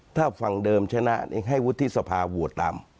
ถ้าฝั่งเดิมชนะให้วุฒิสภาโหวตตาม